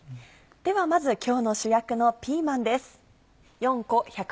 ではまず今日の主役のピーマンです。